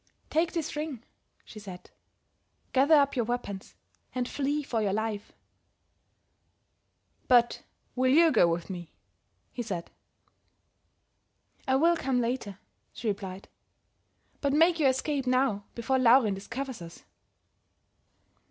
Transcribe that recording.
"'Take this ring,' she said, 'gather up your weapons and flee for your life.' "'But will you go with me?' he said. [Illustration: THE ROSENGARTEN.] "'I will come later,' she replied. 'But make your escape now before Laurin discovers us.'